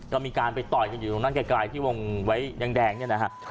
ก็มีการไปต่อยกันอยู่ตรงนั้นไกลที่วงไว้แดงเนี่ยนะฮะ